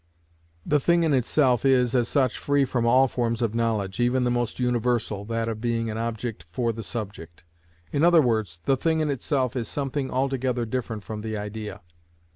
The thing in itself is, as such, free from all forms of knowledge, even the most universal, that of being an object for the subject. In other words, the thing in itself is something altogether different from the idea.